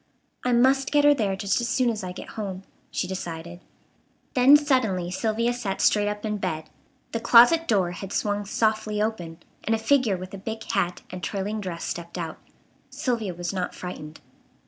"I must get her there just as soon as I get home," she decided. Then suddenly Sylvia sat straight up in bed. The closet door had swung softly open, and a figure with a big hat and trailing dress stepped out. Sylvia was not frightened.